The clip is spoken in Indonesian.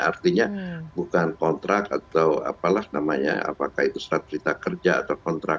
artinya bukan kontrak atau apalah namanya apakah itu surat perintah kerja atau kontrak